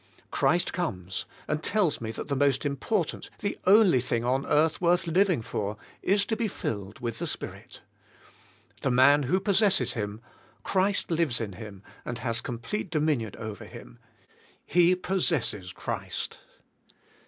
Christ comes and tells me that the most important, the only thing on earth worth living" for is to be filled with the Spirit. The man who possesses Him, Christ lives in him and has complete dominion over him. He possesses Christ.